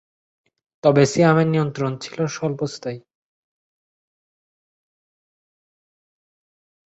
তবে সিয়ামের নিয়ন্ত্রণ ছিল স্বল্পস্থায়ী।